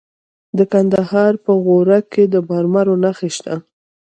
د کندهار په غورک کې د مرمرو نښې شته.